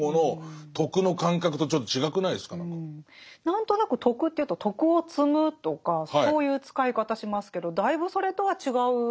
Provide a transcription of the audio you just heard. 何となく徳というと徳を積むとかそういう使い方しますけどだいぶそれとは違う。